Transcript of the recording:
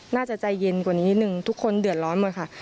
น่าจะใจเย็นกว่านี้นิดนึงทุกคนเดือดร้อนหมดค่ะ